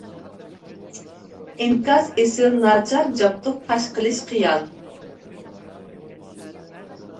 ئىنكاس ئېسىل ناچار جابدۇق پاش قىلىش قىيان.